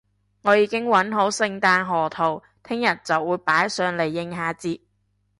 我已經搵好聖誕賀圖，聽日就會擺上嚟應下節